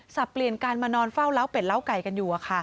เปลี่ยนการมานอนเฝ้าเล้าเป็ดล้าไก่กันอยู่